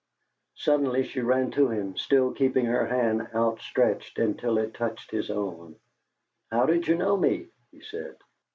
Suddenly she ran to him, still keeping her hand out stretched until it touched his own. "How did you know me?" he said.